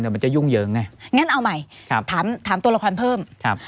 อย่างงั้นเอาใหม่ถามตัวละครเพิ่ม